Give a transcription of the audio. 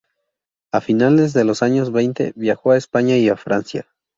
A finales de los años veinte viajó a España y a Francia.